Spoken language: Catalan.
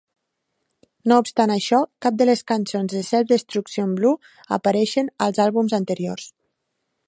No obstant això, cap de les cançons de "Self Destruction Blues" apareixen als àlbums anteriors.